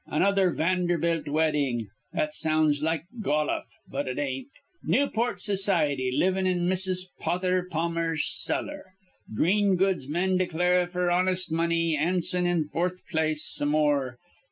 Another Vanderbilt weddin'. That sounds like goluf, but it ain't. Newport society livin' in Mrs. Potther Pammer's cellar. Green goods men declare f'r honest money. Anson in foorth place some more.